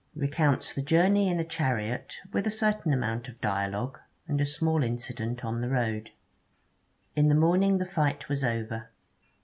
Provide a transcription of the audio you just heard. RECOUNTS THE JOURNEY IN A CHARIOT, WITH A CERTAIN AMOUNT OF DIALOGUE, AND A SMALL INCIDENT ON THE ROAD In the morning the fight was over.